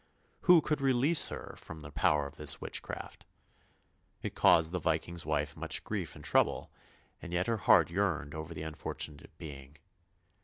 Who could release her from the power of this witchcraft? It caused the Viking's wife much grief and trouble, and yet her heart yearned over the unfortunate being.